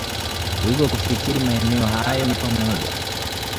wigo wa kufikiri Maeneo hayo ni pamoja